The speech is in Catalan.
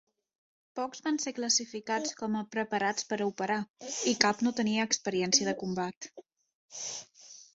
Pocs van ser classificats com a "preparats per a operar" i cap no tenia experiència de combat.